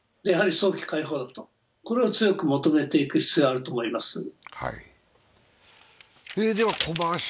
早期解放だと、これを強く求めていく必要があると思います。